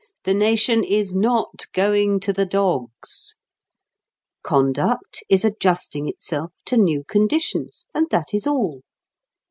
The nation is not going to the dogs. Conduct is adjusting itself to new conditions, and that is all.